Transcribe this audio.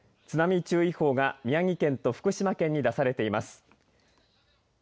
津波注意報が宮城県と福島県に出されています。